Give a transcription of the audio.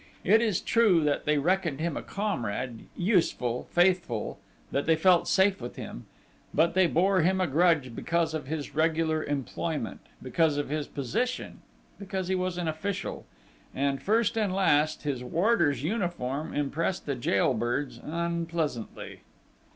It is true that they reckoned him a comrade, useful, faithful, that they felt safe with him; but they bore him a grudge because of his regular employment, because of his position, because he was an official.... And, first and last, his warder's uniform impressed the jail birds unpleasantly.